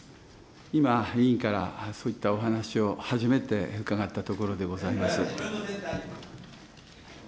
今、委員からそういったお話を初めて伺ったところでございます。